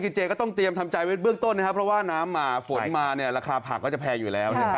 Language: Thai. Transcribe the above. ช่วงนี้ก็ต้องเตรียมทำใจเบื้อต้นเพราะว่าสงฆฆ์ก็จะแพงแล้ว